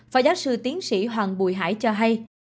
phó giáo sư tiến sĩ hoàng bùi hải cho hay